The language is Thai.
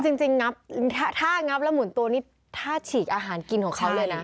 จริงงับถ้างับแล้วหมุนตัวนี่ถ้าฉีกอาหารกินของเขาเลยนะ